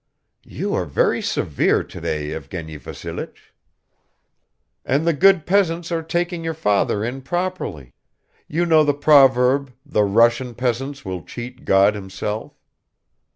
"You are very severe today, Evgeny Vassilich." "And the good peasants are taking your father in properly; you know the proverb 'the Russian peasant will cheat God himself.'"